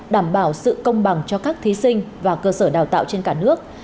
đảm bảo sự công bằng cho các thí sinh và cơ sở đào tạo trên cả nước